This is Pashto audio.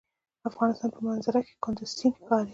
د افغانستان په منظره کې کندز سیند ښکاره دی.